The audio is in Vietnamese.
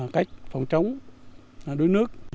cách phòng trống đuối nước